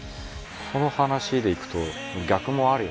その話でいくと逆もあるよね。